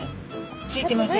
ついてません。